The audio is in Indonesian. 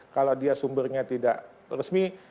kalau dia sumbernya tidak resmi